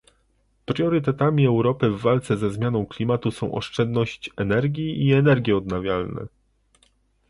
Priorytetami Europy w walce ze zmianą klimatu są oszczędność energii i energie odnawialne